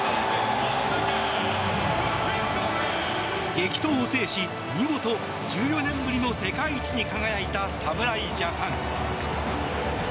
激闘を制し、見事１４年ぶりの世界一に輝いた侍ジャパン。